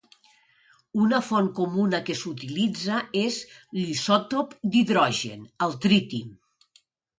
Una font comuna que s'utilitza és l'isòtop d'hidrogen, el triti.